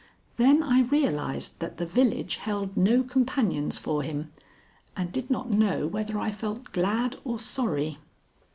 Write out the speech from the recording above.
Then I realized that the village held no companions for him, and did not know whether I felt glad or sorry.